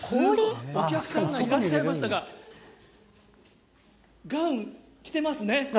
お客さんがいらっしゃいましたが、ガウン着てますね。